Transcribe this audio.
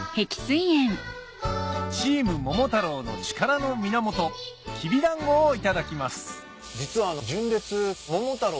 チーム桃太郎の力の源きびだんごをいただきます実は。